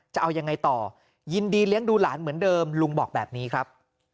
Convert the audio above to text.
จะเอายังไงต่อยินดีเลี้ยงดูหลานเหมือนเดิมลุงบอกแบบนี้ครับ